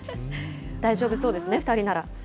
大丈夫そうですね、２人なら。